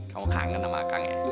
kamu kangen sama kang ya